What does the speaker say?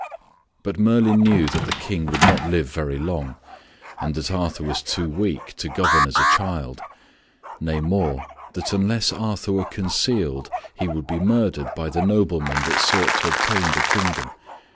But Merlin knew that the King would not live very long, and that Arthur was too weak to govern as a child nay more, that unless Arthur were concealed he would be murdered by the noblemen that sought to obtain the kingdom.